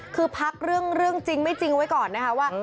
คือพักเรื่องจริงไม่จริงไว้ก่อนนะคะว่า